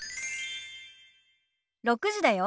６時だよ。